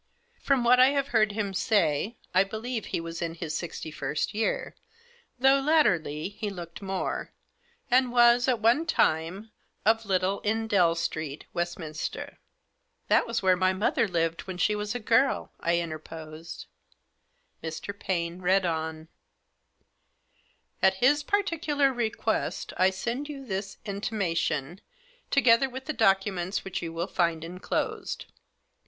From what I have heard him say, I believe he was in his sixty first year, though, latterly, he looked more, and was, at one time, of Little Endell Street, Westminster.' " "That was where mother lived when she was a girl," I interposed. Mr. Paine read on :"' At his particular request I send you this intima tion, together with the documents which you will find enclosed.